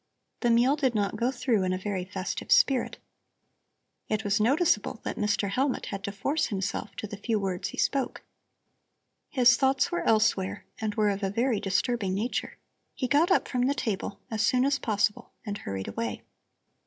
The meal did not go through in a very festive spirit. It was noticeable that Mr. Hellmut had to force himself to the few words he spoke. His thoughts were elsewhere and were of a very disturbing nature. He got up from the table, as soon as possible, and hurried away.